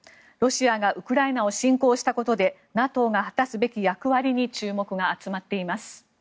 ロシアがウクライナを侵攻したことでＮＡＴＯが果たすべき役割に注目が集まっています。